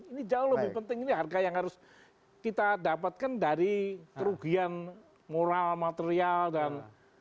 ini jauh lebih penting ini harga yang harus kita dapatkan dari kerugian moral material dan